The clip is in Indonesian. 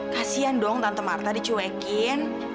kasian dong tante marta dicuekin